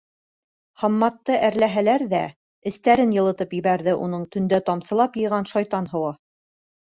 Хамматты әрләһәләр ҙә, эҫтәрен йылытып ебәрҙе уның төндә тамсылап йыйған шайтан һыуы.